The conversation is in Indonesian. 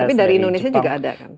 tapi dari indonesia juga ada kan